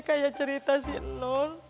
ini kayak cerita si nol